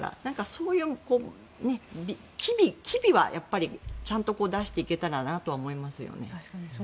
そういう機微はちゃんと出していけたらなとは思いますね。